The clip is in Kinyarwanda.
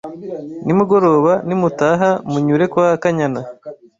Nimugoroba nimutaha munyure kwa Kanyana.